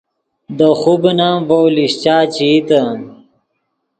دے خوبن ام ڤؤ لیشچا چے ایتے